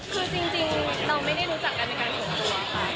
คือจริงเราไม่ได้รู้จักกันเป็นการส่วนตัวค่ะ